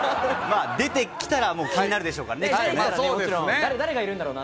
出てきたら気になるでしょうからね。